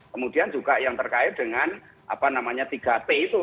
kemudian juga yang terkait dengan apa namanya tiga t itu